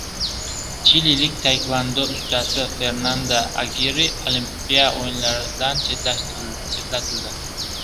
Chililik tayekvondo ustasi Fernanda Agirre Olimpiya o‘yinlaridan chetlatildi